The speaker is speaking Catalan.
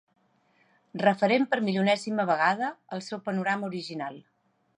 Refent per milionèsima vegada el seu panorama original.